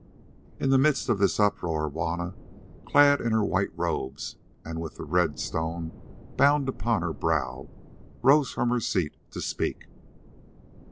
In the midst of this uproar Juanna, clad in her white robes and with the red stone bound upon her brow, rose from her seat to speak.